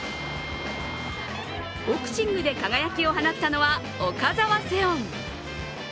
ボクシングで輝きを放ったのは岡澤セオン。